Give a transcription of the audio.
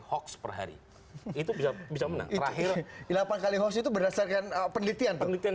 hoax per hari itu bisa bisa menang terakhir delapan kali hoax itu berdasarkan penelitian penelitian